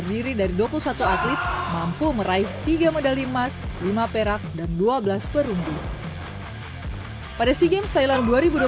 dari dua puluh satu atlet mampu meraih tiga medali emas lima perak dan dua belas perunding pada si games thailand